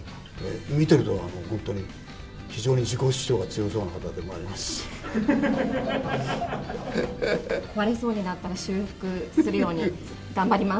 見てると、本当に、非常に自己主張が強そうな方でもありますし。壊れそうになったら、修復するように頑張ります。